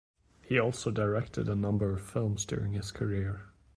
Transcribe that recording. He also directed a number of films during his career.